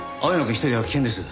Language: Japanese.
一人では危険です。